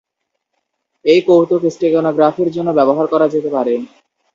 এই কৌতুক স্টেগানোগ্রাফির জন্য ব্যবহার করা যেতে পারে।